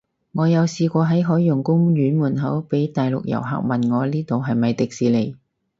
我有試過喺海洋公園門口，被大陸遊客問我呢度係咪迪士尼